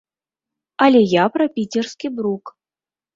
Але я пра піцерскі брук.